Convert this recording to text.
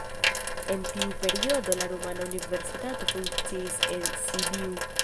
En tiu periodo la rumana universitato funkciis en Sibiu.